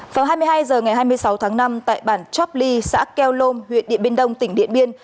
vào hai mươi hai h ngày hai mươi sáu tháng năm tại bản chopley xã keo lom huyện điện biên đông tỉnh điện biên